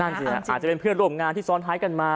อาจจะเป็นเพื่อนร่วมงานที่ซ้อนท้ายกันมา